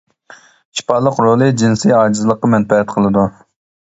شىپالىق رولى جىنسىي ئاجىزلىققا مەنپەئەت قىلىدۇ.